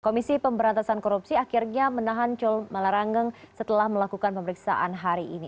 komisi pemberantasan korupsi akhirnya menahan col malarangeng setelah melakukan pemeriksaan hari ini